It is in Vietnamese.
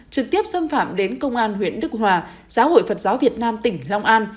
trực tiếp xâm phạm đến công an huyện đức hòa giáo hội phật giáo việt nam tỉnh long an